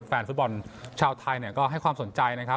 แฟนฟุตบอลชาวไทยก็ให้ความสนใจนะครับ